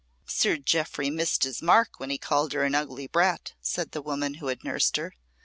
"Sir Jeoffry missed his mark when he called her an ugly brat," said the woman who had nursed her.